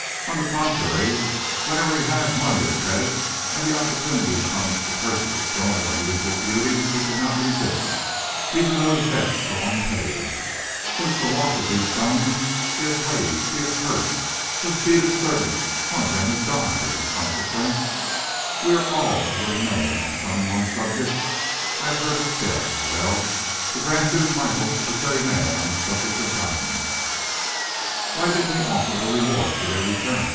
On the contrary, whenever he has money or credit, and the opportunity comes to purchase a stone of unusual beauty, he cannot resist, even though his debts go unpaid. Since the loss of these stones, he has raved, he has cursed, he has beat his servants one of them has died, in consequence. We are all a little mad on some one subject, I have heard it said; well, the Grand Duke Michael is very mad on the subject of diamonds." "Why didn't he offer a reward for their return?"